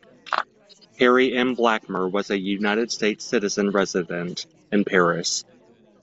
Harry M. Blackmer was a United States citizen resident in Paris.